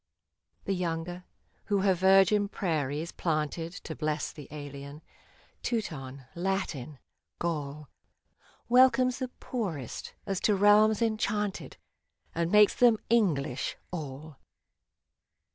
The younger, who her virgin prairies planted To bless the alien — Teuton, Latin, Gaul, Welcomes the poorest, as to realms enchanted, And makes them English, all